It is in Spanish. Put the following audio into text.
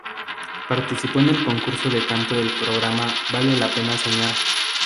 Participó en el concurso de canto del programa "Vale la pena soñar".